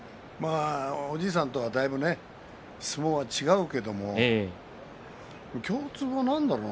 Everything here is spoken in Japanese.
おじいさんとはだいぶ相撲は違うけれど共通は何だろうな？